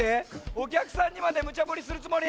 おきゃくさんにまでムチャぶりするつもり！？